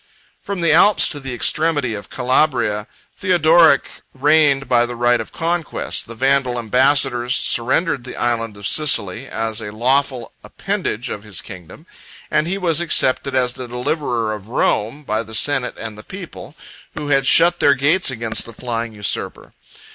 —M.] From the Alps to the extremity of Calabria, Theodoric reigned by the right of conquest; the Vandal ambassadors surrendered the Island of Sicily, as a lawful appendage of his kingdom; and he was accepted as the deliverer of Rome by the senate and people, who had shut their gates against the flying usurper.